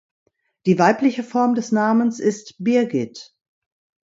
Die weibliche Form des Namens ist Birgit.